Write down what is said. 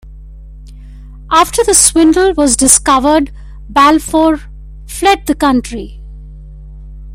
After the swindle was discovered, Balfour fled the country.